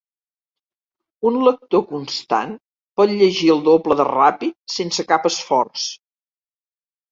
Un lector constant pot llegir el doble de ràpid sense cap esforç.